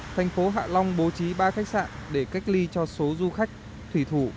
thành phố hạ long bố trí ba khách sạn để cách ly cho số du khách thủy thủ